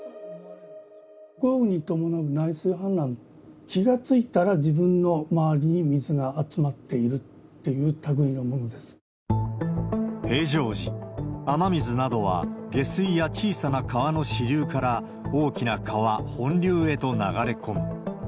豪雨に伴う内水氾濫、気が付いたら自分の周りに水が集まっているというたぐいのもので平常時、雨水などは下水や小さな川の支流から、大きな川、本流へと流れ込む。